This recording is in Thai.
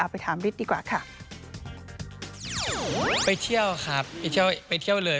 ไปเที่ยวครับไปเที่ยวเลย